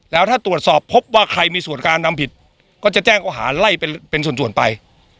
แล้วถ้าตรวจสอบพบว่าใครมีส่วนการทำผิดก็จะแจ้งเขาหาไล่เป็นส่วนไป